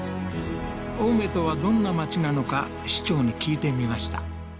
青梅とはどんなまちなのか市長に聞いてみました